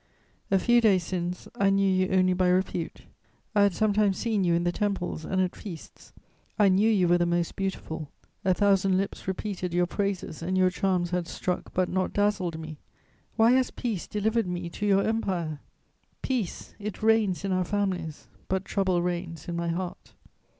... A few days since, I knew you only by repute. I had sometimes seen you in the temples and at feasts; I knew you were the most beautiful; a thousand lips repeated your praises, and your charms had struck but not dazzled me.... Why has peace delivered me to your empire? Peace! It reigns in our families, but trouble reigns in my heart....